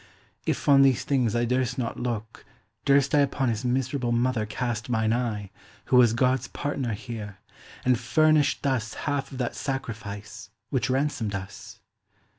If on these things I durst not looke, durst IUpon his miserable mother cast mine eye, Who was Gods partner here, and furnish'd thusHalfe of that Sacrifice, which ransom'd us?